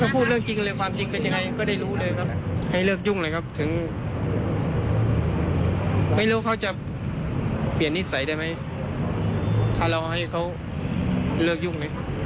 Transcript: เปลี่ยนนิสัยได้ไหมถ้าเราให้เขาเลิกยุ่ง